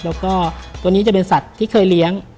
แล้วก็ตัวนี้จะเป็นสัตว์ที่เคยเลี้ยง